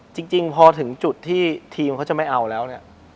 จริงพอถึงจุดที่ทีมเขาจะไม่เอาแล้วเนี่ย